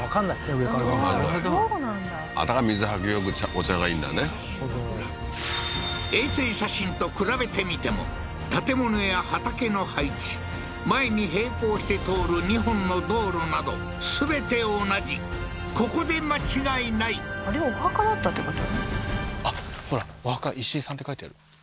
上から見るとそうなんだだから水はけよくお茶がいいんだねなるほど衛星写真と比べてみても建物や畑の配置前に並行して通る２本の道路など全て同じここで間違いないあれお墓だったってこと？